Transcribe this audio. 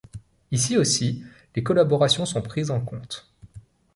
Ici aussi les collaborations sont prises en comptes.